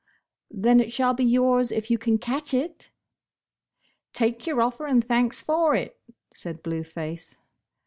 "Then it shall be yours if you can catch it." 20 Bosh Bosh Oil. •'Take your offer and thanks for it," said Blue Face.